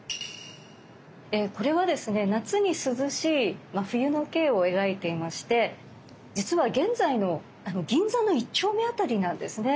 これはですね夏に涼しい冬の景を描いていまして実は現在の銀座の一丁目辺りなんですね。